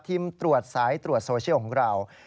ทีมตรวจสายตรวจโซเชียลของเรา